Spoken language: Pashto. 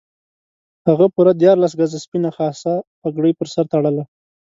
هغه پوره دیارلس ګزه سپینه خاصه پګړۍ پر سر تړله.